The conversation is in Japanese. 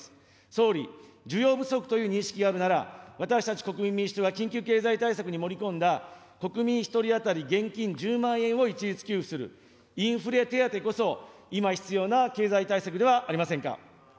総理、需要不足という認識があるなら、私たち国民民主党の緊急経済対策に盛り込んだ、国民１人当たり現金１０万円を一律給付する、インフレ手当こそ、今、必要な経済対策ではありませんか。